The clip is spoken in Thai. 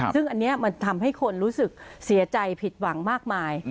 ซึ่งอันนี้มันทำให้คนรู้สึกเสียใจผิดหวังมากมาย